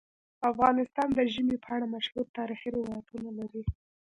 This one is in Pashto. افغانستان د ژمی په اړه مشهور تاریخی روایتونه لري.